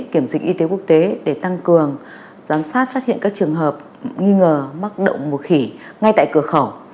kiểm dịch y tế quốc tế để tăng cường giám sát phát hiện các trường hợp nghi ngờ mắc động mùa khỉ ngay tại cửa khẩu